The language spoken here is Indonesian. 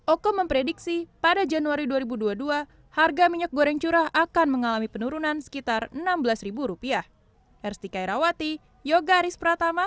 oke memprediksi pada januari dua ribu dua puluh dua harga minyak goreng curah akan mengalami penurunan sekitar rp enam belas